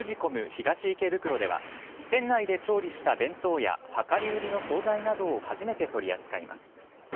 東池袋では店内で調理した弁当や量り売りの総菜などを初めて取り扱います。